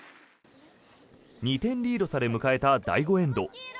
２点リードされ迎えた第５エンド。